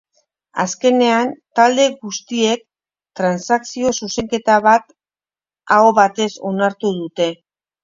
Azkenean, talde guztiek transakzio-zuzenketa bat aho batez onartu dute.